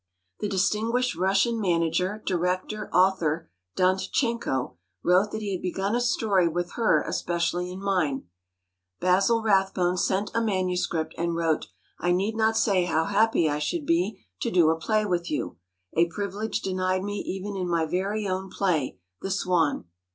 The distinguished Russian manager, director, author, Dantchenko, wrote that he had begun a story with her especially in mind; Basil Rathbone sent a manuscript and wrote: "I need not say how happy I should be to do a play with you, a privilege denied me even in my very own play, 'The Swan.